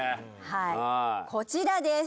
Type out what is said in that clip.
はいこちらです